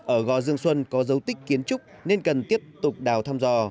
ở gò dương xuân có dấu tích kiến trúc nên cần tiếp tục đào thăm dò